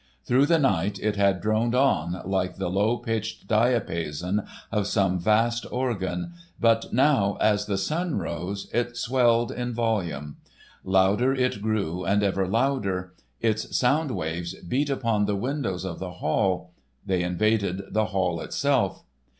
Through the night it had droned on, like the low pitched diapason of some vast organ, but now as the sun rose, it swelled in volume. Louder it grew and ever louder. Its sound waves beat upon the windows of the hall. They invaded the hall itself.